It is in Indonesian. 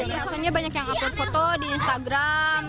biasanya banyak yang upload foto di instagram